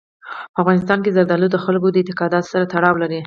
په افغانستان کې زردالو د خلکو د اعتقاداتو سره تړاو لري.